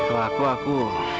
kalau aku aku